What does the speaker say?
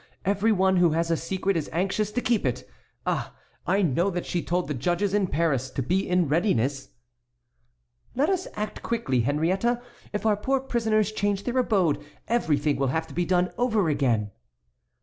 Every one who has a secret is anxious to keep it. Ah! I know that she told the judges in Paris to be in readiness." "Let us act quickly, Henriette. If our poor prisoners change their abode, everything will have to be done over again."